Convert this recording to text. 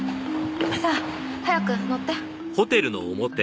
さあ早く乗って。